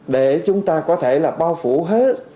để chúng ta có thể là bao phủ hết